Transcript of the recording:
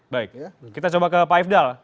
baik kita coba ke pak ifdal